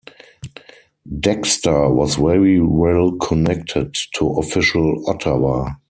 Dexter was very well-connected to official Ottawa.